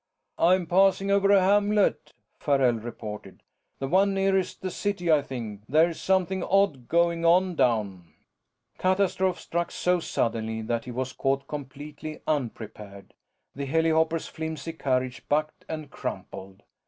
"I'm passing over a hamlet," Farrell reported. "The one nearest the city, I think. There's something odd going on down " Catastrophe struck so suddenly that he was caught completely unprepared. The helihopper's flimsy carriage bucked and crumpled.